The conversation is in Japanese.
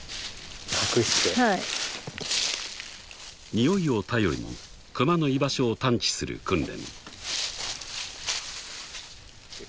［においを頼りにクマの居場所を探知する訓練］